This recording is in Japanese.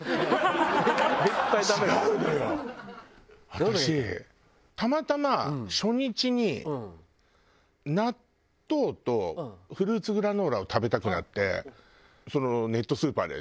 私たまたま初日に納豆とフルーツグラノーラを食べたくなってネットスーパーで。